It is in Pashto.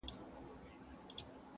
ترانه یې لا تر خوله نه وه وتلې -